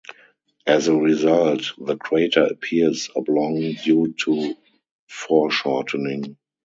As a result, the crater appears oblong due to foreshortening.